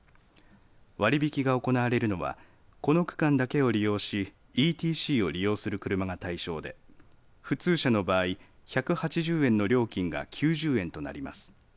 割引が行われるのはこの区間だけを利用しＥＴＣを利用する車が対象で普通車の場合１８０円の料金が９０円となります。